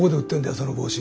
その帽子。